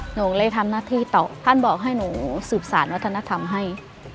หนูเลยทำหน้าที่ต่อท่านบอกให้หนูสืบสารวัฒนธรรมให้